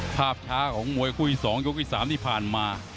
ภาพช้าของมวยคู่อีสองยกอีสามนี้ผ่านมา